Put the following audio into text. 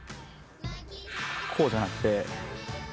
こうじゃなくて。